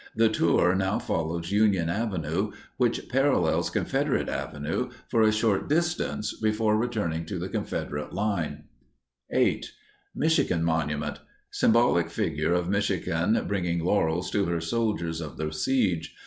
The tour now follows Union Avenue, which parallels Confederate Avenue, for a short distance before returning to the Confederate line. [Illustration: The Illinois Memorial.] 8. MICHIGAN MONUMENT. Symbolic figure of Michigan bringing laurels to her soldiers of the siege.